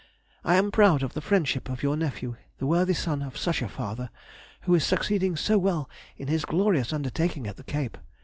I am proud of the friendship of your nephew, the worthy son of such a father, who is succeeding so well in his glorious undertaking at the Cape.